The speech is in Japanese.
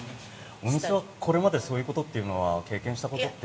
お店はこれまでそういうことは経験したことって。